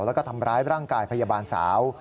แล้วก็ทำร้ายร่างกายพยาบาลสาว